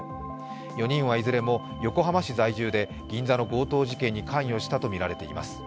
４人はいずれも横浜市在住で銀座の強盗事件に関与したとみられています。